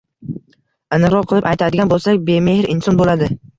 Aniqroq qilib aytadigan bo‘lsak bemehr inson bo‘ladi